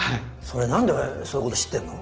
それ何でそういうこと知ってんの？